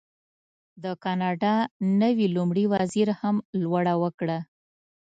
د کاناډا نوي لومړي وزیر هم لوړه وکړه.